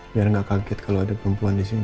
biar nggak kaget kalau ada perempuan di sini